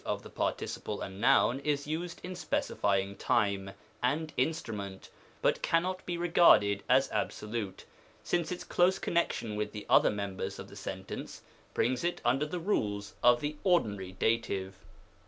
of the participle and noun, is used in specifying time, and instrument, but cannot be regarded as absolute, since its close connection with the other members of the sentence brings it under the rules of the ordinary Dative.